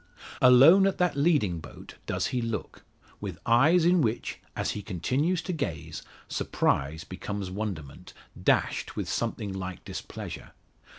Alone at that leading boat does he look; with eyes in which, as he continues to gaze, surprise becomes wonderment, dashed with something like displeasure.